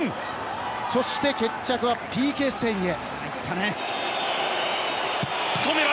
そして決着はＰＫ戦へ。